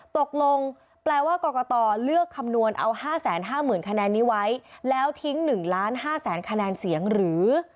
ตกลงแปลว่ากรกตเลือกคำนวณเอา๕๕๐๐๐คะแนนนี้ไว้แล้วทิ้ง๑ล้าน๕แสนคะแนนเสียงหรือ